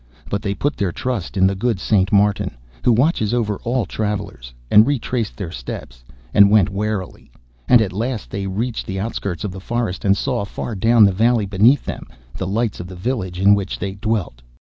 But they put their trust in the good Saint Martin, who watches over all travellers, and retraced their steps, and went warily, and at last they reached the outskirts of the forest, and saw, far down in the valley beneath them, the lights of the village in which they dwelt.